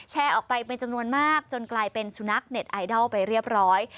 แชร์ออกไปเป็นจำนวนมากจนกลายเป็นสุนัขเน็ตไอดอลไปเรียบร้อย